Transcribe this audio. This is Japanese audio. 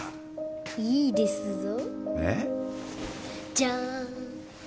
じゃーん